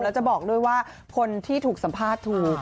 แล้วจะบอกด้วยว่าคนที่ถูกสัมภาษณ์ถูก